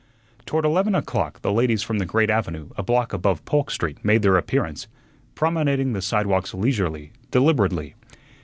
Towards eleven o'clock the ladies from the great avenue a block above Polk Street made their appearance, promenading the sidewalks leisurely, deliberately.